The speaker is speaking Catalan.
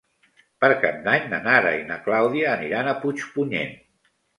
Per Cap d'Any na Nara i na Clàudia aniran a Puigpunyent.